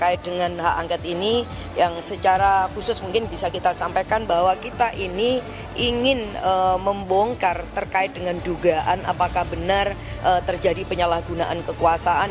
ingin membongkar terkait dengan dugaan apakah benar terjadi penyalahgunaan kekuasaan